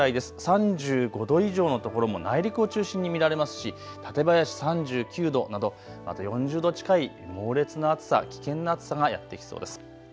３５度以上の所も内陸を中心に見られますし、館林３９度など４０度近い猛烈な暑さ、危険な暑さがやって来そうです。